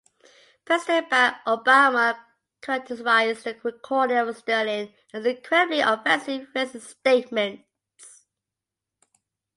President Barack Obama characterized the recording of Sterling as "incredibly offensive racist statements".